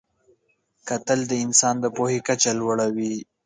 کتل د انسان د پوهې کچه لوړوي